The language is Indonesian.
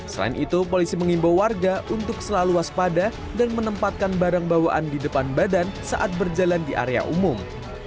selain itu polisi mengimbau warga untuk selalu waspada dan menempatkan barang bawaan di depan badan saat berjalan di area umum